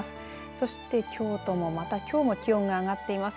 そして京都もまたきょうも気温が上がっています。